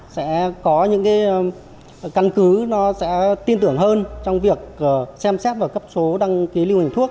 sẽ có những cái căn cứ nó sẽ tin tưởng hơn trong việc xem xét và cấp số đăng ký lưu hành thuốc